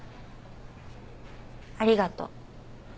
ありがとう。